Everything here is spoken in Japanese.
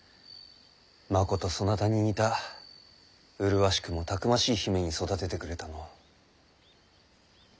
まことそなたに似た麗しくもたくましい姫に育ててくれたのう。